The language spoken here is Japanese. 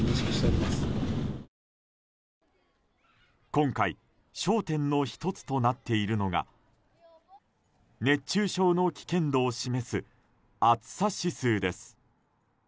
今回、焦点の１つとなっているのが熱中症の危険度を示す暑さ指数です。